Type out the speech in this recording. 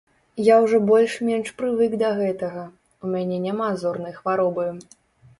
Я ўжо больш-менш прывык да гэтага, у мяне няма зорнай хваробы.